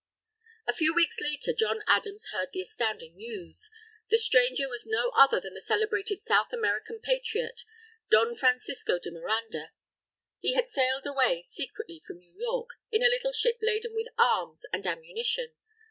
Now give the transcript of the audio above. A few weeks later, John Adams heard the astounding news. The stranger was no other than the celebrated South American Patriot, Don Francisco de Miranda. He had sailed away secretly from New York in a little ship laden with arms and ammunition.